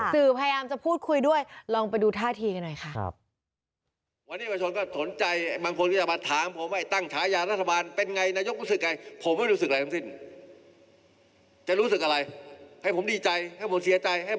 พยายามจะพูดคุยด้วยลองไปดูท่าทีกันหน่อยค่ะ